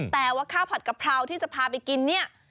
แต่ว่าข้าวผัดกะเพราที่จะพาไปกินเนี่ย